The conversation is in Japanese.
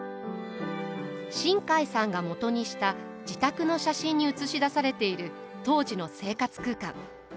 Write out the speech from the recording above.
新海さんがもとにした自宅の写真に写し出されている当時の生活空間。